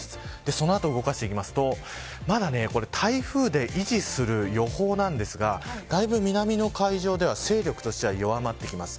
その後、動かしていきますとまだ、台風で維持する予報なんですが南の海上で勢力としては弱ってきます。